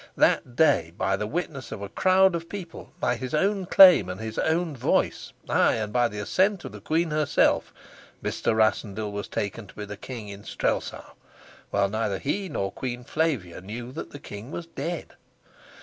That day, by the witness of a crowd of people, by his own claim and his own voice, ay, and by the assent of the queen herself, Mr. Rassendyll was taken to be the king in Strelsau, while neither he nor Queen Flavia knew that the king was dead.